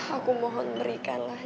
aku mohon berikanlah